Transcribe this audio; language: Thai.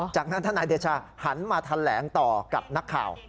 จากนั้นทนายเดชาหันมาแถลงต่อกับนักข่าว